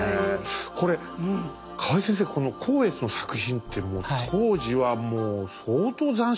これ河合先生この光悦の作品って当時はもう相当斬新だったんじゃないですか？